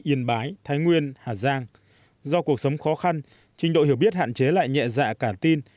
yên bái thái nguyên hà giang do cuộc sống khó khăn trình độ hiểu biết hạn chế lại nhẹ dạ cả tin